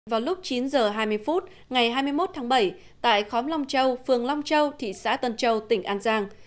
vào lúc chín h hai mươi phút ngày hai mươi một tháng bảy tại khóm long châu phường long châu thị xã tân châu tỉnh an giang